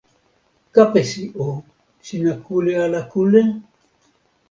kapesi o, sina kule ala kule?